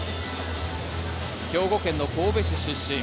兵庫県の神戸市出身。